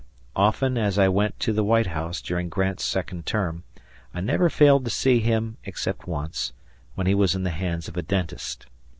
Often as I went to the White House during Grant's second term, I never failed to see him except once, when he was in the hands of a dentist.